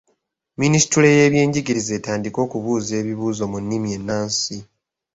Minisitule y'ebyenjigiriza etandike okubuuza ebibuuzo mu nnimi ennansi.